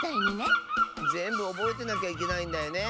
ぜんぶおぼえてなきゃいけないんだよね。